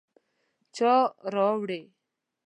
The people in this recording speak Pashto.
_چا راوړې ؟